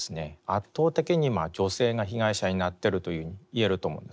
圧倒的に女性が被害者になっているというふうに言えると思うんですね。